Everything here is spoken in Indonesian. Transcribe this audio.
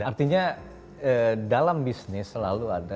artinya dalam bisnis selalu ada